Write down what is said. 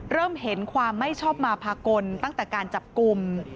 เริ่มเห็นความไม่ชอบมาพากลตั้งแต่การจับกลุ่ม